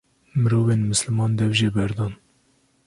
mirovên misliman dev jê berdan.